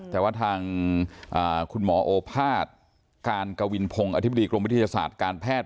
แต่ว่าทางคุณหมอโอภาษย์การกวินพงศ์อธิบดีกรมวิทยาศาสตร์การแพทย์